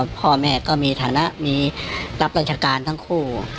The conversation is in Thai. พ่อแม่ก็มีฐานะมีรับราชการทั้งคู่